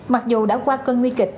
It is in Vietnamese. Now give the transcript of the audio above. mặc dù đã qua cân nguy kịch